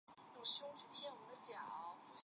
同时改回原先的非空绿皮车底。